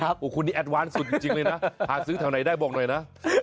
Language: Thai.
โอ้โหคุณนี่แอดวานสุดจริงเลยนะหาซื้อแถวไหนได้บอกหน่อยนะ